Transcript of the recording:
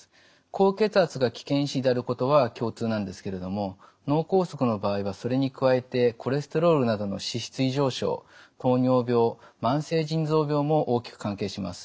高血圧が危険因子であることは共通なんですけれども脳梗塞の場合はそれに加えてコレステロールなどの脂質異常症糖尿病慢性腎臓病も大きく関係します。